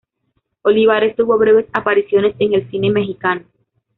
Olivares tuvo breves apariciones en el cine mexicano.